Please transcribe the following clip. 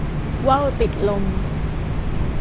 ว่าวติดลม